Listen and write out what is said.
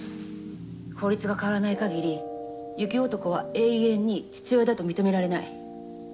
法律が変わらないかぎり雪男は永遠に父親だと認められない。